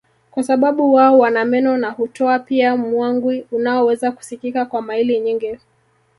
kwa sababu wao wana meno na hutoa pia mwangwi unaoweza kusikika kwa maili nyingi